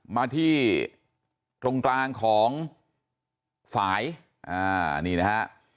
มาที่ตรงกลางของฝ่ายอ่านี่นะฮะ